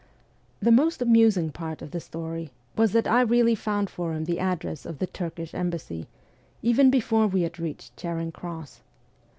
The most amusing part of the story was that I really found for him the address of the Turkish embassy, even before we had reached Charing Cross.